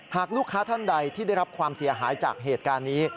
หากลูกค้าท่านใดที่ได้รับความเสียหายจากเหตุการณ์นี้